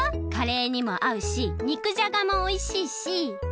カレーにもあうしにくじゃがもおいしいし。